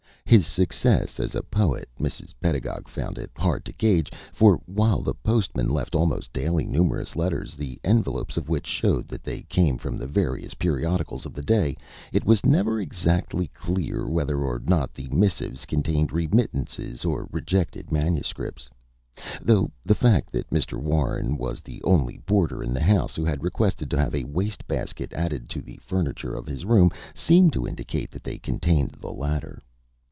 His success as a poet Mrs. Pedagog found it hard to gauge; for while the postman left almost daily numerous letters, the envelopes of which showed that they came from the various periodicals of the day, it was never exactly clear whether or not the missives contained remittances or rejected manuscripts, though the fact that Mr. Warren was the only boarder in the house who had requested to have a waste basket added to the furniture of his room seemed to indicate that they contained the latter.